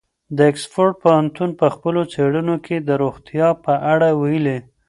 د اکسفورډ پوهنتون په خپلو څېړنو کې د روغتیا په اړه ویلي.